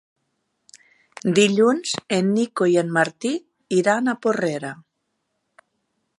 Dilluns en Nico i en Martí iran a Porrera.